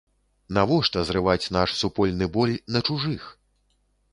Навошта зрываць наш супольны боль на чужых?